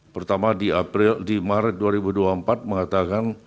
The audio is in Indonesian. pertama di maret dua ribu dua puluh empat mengatakan